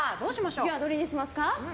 次はどれにしますか？